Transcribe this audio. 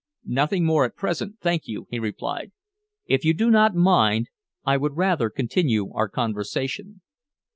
"Nothing more at present, thank you," he replied. "If you do not mind, I would rather continue our conversation."